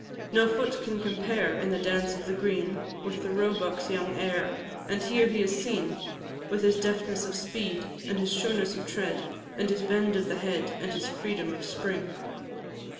No foot can compare, In the dance of the green, With the roebuck's young heir; And here he is seen With his deftness of speed, And his sureness of tread, And his bend of the head, And his freedom of spring!